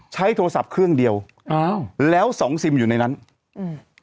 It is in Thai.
ใช้โทรศัพท์เครื่องเดียวอ้าวแล้วสองซิมอยู่ในนั้นอืม